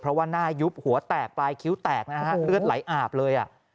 เพราะว่าหน้ายุบหัวแตกปลายคิ้วแตกนะฮะเลือดไหลอาบเลย